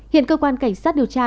hiện cơ quan cảnh sát điều tra